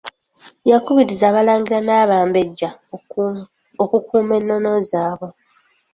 Yakubirizza abalangira n’abambejja okukuuma ennono zaabwe.